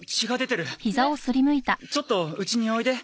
ちょっとうちにおいで。